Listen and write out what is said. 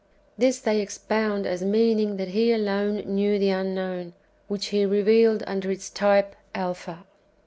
This they ex pound as meaning that He alone knew the Unknown, which He revealed under its type Alpha.